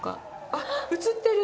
あっ写ってる！